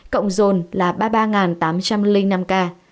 cộng dồn là ba mươi ba tám trăm linh năm ca